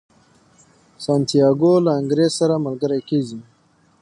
سانتیاګو له انګریز سره ملګری کیږي.